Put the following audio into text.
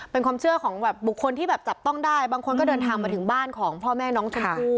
เป็นความเชื่อของแบบบุคคลที่แบบจับต้องได้บางคนก็เดินทางมาถึงบ้านของพ่อแม่น้องชมพู่